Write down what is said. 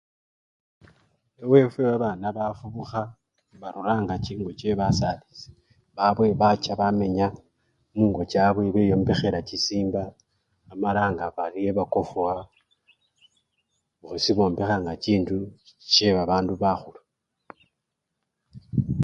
Ewefwe babana bafubuha baruranga chingo che basasi babwe bacha bamenya mungo chabwe beyombehela chisimba amala nga bali ebakofuwa, bosi bombehanga chinjju chebabandu bahulu